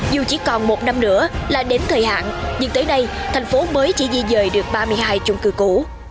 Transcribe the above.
dù chỉ còn một năm nữa là đến thời hạn nhưng tới nay thành phố mới chỉ di dời được ba mươi hai chung cư cũ